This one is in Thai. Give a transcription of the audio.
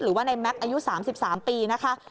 หรือว่าในแม็กซ์อายุ๓๓ปีนะคะ